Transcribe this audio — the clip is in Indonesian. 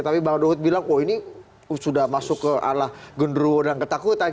tapi bang ruhut bilang wah ini sudah masuk ke arah genderuwo dan ketakutan